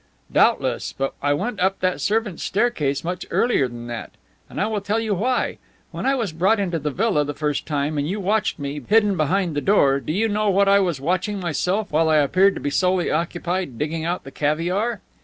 "Doubtless, but I went up that servants' staircase much earlier than that. And I will tell you why. When I was brought into the villa the first time, and you watched me, bidden behind the door, do you know what I was watching myself, while I appeared to be solely occupied digging out the caviare?